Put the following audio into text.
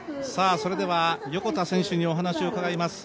それでは横田選手にお話を伺います。